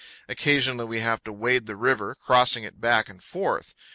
Occasionally we have to wade the river, crossing it back and forth.